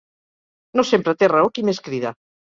No sempre té raó qui més crida.